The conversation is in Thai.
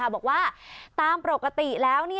บอกว่าตามปกติแล้ว